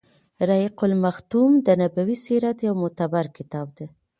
رحيق المختوم د نبوي سیرت يو معتبر کتاب دی.